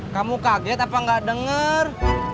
kamu kaget apa gak denger